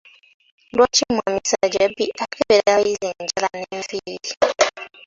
Lwaki mwami Ssajjabbi akebera abayizi enjala n’enviiri?